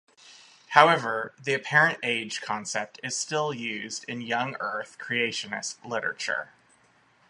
However, the apparent age concept is still used in young Earth creationist literature.